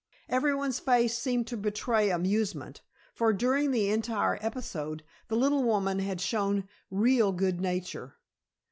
Everyone's face seemed to betray amusement, for during the entire episode the little woman had shown real good nature.